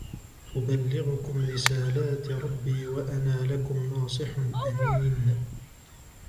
أبلغكم رسالات ربي وأنا لكم ناصح أمين